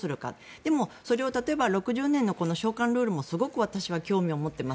でもそれを、例えば６０年の償還ルールもすごく私は興味を持っています。